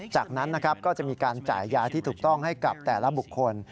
จากนั้นนะครับก็จะมีการจ่ายยาที่ถูกต้องให้กับแต่ละบุคคล